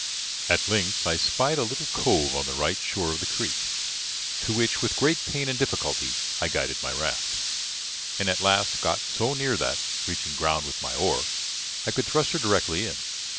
At length I spied a little cove on the right shore of the creek, to which with great pain and difficulty I guided my raft, and at last got so near that, reaching ground with my oar, I could thrust her directly in.